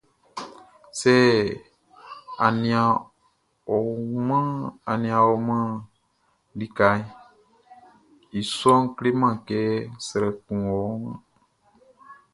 Sɛ a nian ɔ wun likaʼn, i sɔʼn kleman kɛ srɛ kun wɔ.